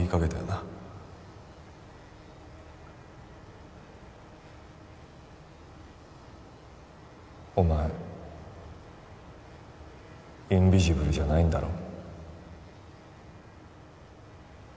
なお前インビジブルじゃないんだろ？